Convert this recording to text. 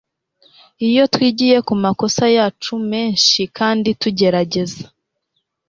iyo twigiye kumakosa yacu menshi kandi tugerageza